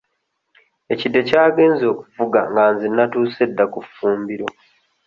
Ekide kyagenze okuvuga nga nze nnatuuse dda ku ffumbiro.